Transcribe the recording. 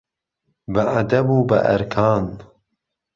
بهعەدەب و به ئەرکان